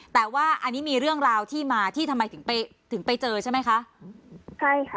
แต่ว่าอันนี้มีเรื่องราวที่มาที่ทำไมถึงไปถึงไปเจอใช่ไหมคะใช่ค่ะ